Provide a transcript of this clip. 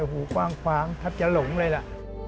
โอ้โฮคว้างถัดจะหลงเลยล่ะ